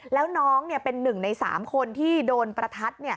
แล้วน้องเป็นหนึ่งในสามคนที่โดนประทัด